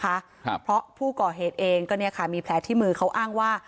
ครับเพราะผู้ก่อเหตุเองก็เนี่ยค่ะมีแผลที่มือเขาอ้างว่า